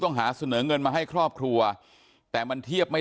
แม้นายเชิงชายผู้ตายบอกกับเราว่าเหตุการณ์ในครั้งนั้น